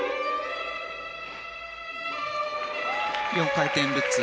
４回転ルッツ。